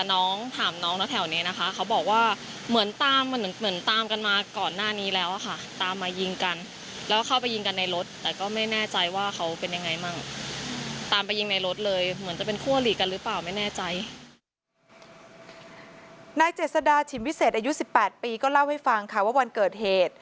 นายเจษดาฉิมวิเศษอายุ๑๘ปีก็เล่าให้ฟังค่ะว่าวันเกิดเหตุ